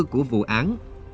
của vụ án